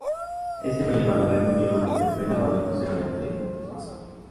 Este fue llevado al Reino Unido donde fue evaluado y posteriormente desguazado.